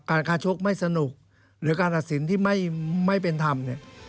คาชกไม่สนุกหรือการตัดสินที่ไม่เป็นธรรมเนี่ย